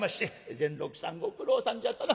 「善六さんご苦労さんじゃったな。